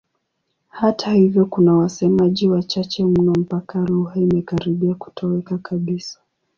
Hata hivyo kuna wasemaji wachache mno mpaka lugha imekaribia kutoweka kabisa.